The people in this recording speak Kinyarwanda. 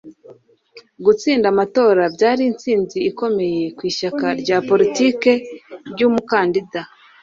Gutsinda amatora byari intsinzi ikomeye ku ishyaka rya politiki ryumukandida